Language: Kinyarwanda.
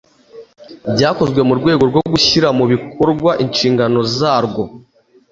byakozwe mu rwego rwo gushyira mu bikorwa inshingano zarwo